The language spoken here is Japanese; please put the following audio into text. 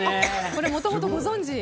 これ、もともとご存じで？